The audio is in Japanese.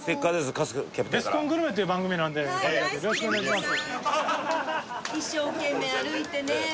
春日キャプテンから「ベスコングルメ」という番組なんでよろしくお願いします